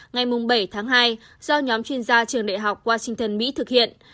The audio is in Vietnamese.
ngày bảy tháng hai do nhóm chuyên gia trường đại học washington mỹ thực hiện